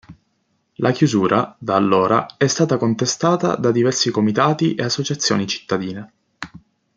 La chiusura, da allora, è stata contestata da diversi comitati e associazioni cittadine.